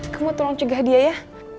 kamu tolong cegah dia ya